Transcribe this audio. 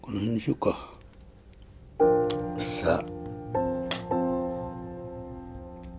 さあ。